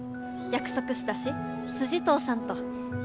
約束したし筋通さんと。